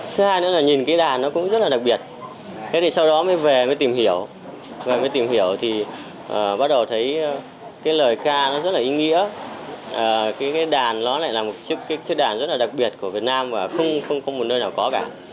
thứ hai nữa là nhìn cái đàn nó cũng rất là đặc biệt thế thì sau đó mới về mới tìm hiểu và mới tìm hiểu thì bắt đầu thấy cái lời ca nó rất là ý nghĩa cái đàn nó lại là một chiếc đàn rất là đặc biệt của việt nam và không có một nơi nào có cả